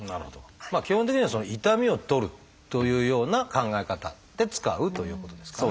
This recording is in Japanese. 基本的には痛みを取るというような考え方で使うということですかね。